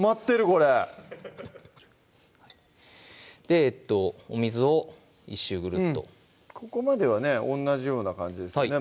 これお水を１周グルッとここまではね同じような感じですよね